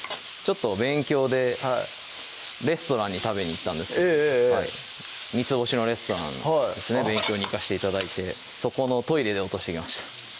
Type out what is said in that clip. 勉強でレストランに食べに行ったんですけど三つ星のレストランですね勉強に行かして頂いてそこのトイレで落としてきました